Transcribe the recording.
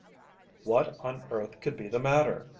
What on earth could be the matter?